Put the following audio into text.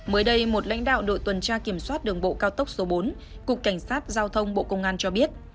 mới đây một lãnh đạo đội tuần tra kiểm soát đường bộ cao tốc số bốn cục cảnh sát giao thông bộ công an cho biết